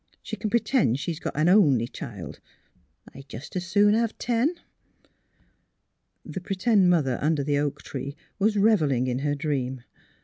She can p'tend she's got an only child. I'd jus' s' soon have ten." The p 'tend mother under the oak tree was re velling in her dream.